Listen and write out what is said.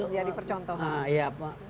untuk jadi percontohan